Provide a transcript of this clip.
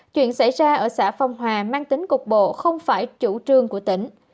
chuyện xảy ra ở xã phong hòa mang tính cục bộ không phải chủ trương của tỉnh